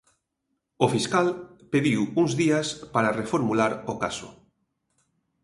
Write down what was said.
O fiscal pediu uns días para reformular o caso.